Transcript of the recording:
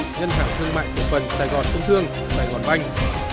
trong quả trị nhân hạng thương mại bộ phần sài gòn công thương sài gòn banh